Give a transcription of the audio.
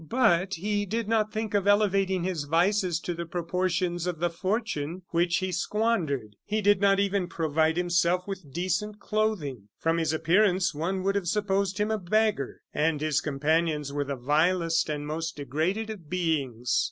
But he did not think of elevating his vices to the proportions of the fortune which he squandered. He did not even provide himself with decent clothing; from his appearance one would have supposed him a beggar, and his companions were the vilest and most degraded of beings.